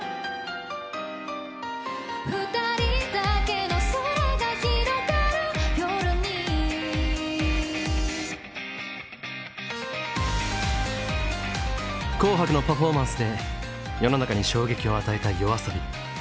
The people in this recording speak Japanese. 「二人だけの空が広がる夜に」「紅白」のパフォーマンスで世の中に衝撃を与えたＹＯＡＳＯＢＩ。